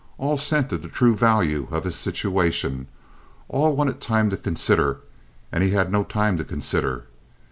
All scented the true value of his situation, all wanted time to consider, and he had no time to consider.